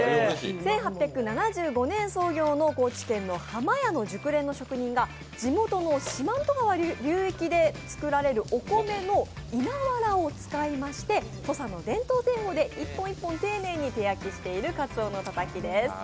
１８７５年創業の高知県のハマヤの熟練の職人が地元の四万十川流域で作られるお米の稲わらを使いまして土佐の伝統製法で一本一本丁寧に手焼きしているかつおのたたきです。